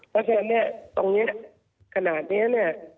และแค่เนี่ยตรงนี้ขนาดเนี่ยเนี่ย